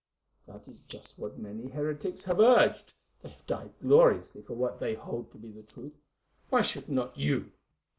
"That is just what many heretics have urged. They have died gloriously for what they hold to be the truth, why should not you?